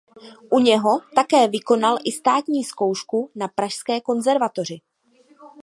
U něho také vykonal i státní zkoušku na Pražské konzervatoři.